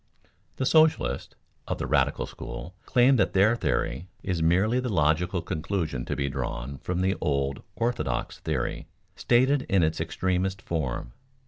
_ The socialists (of the radical school) claim that their theory is merely the logical conclusion to be drawn from the old "orthodox" theory, stated in its extremest form.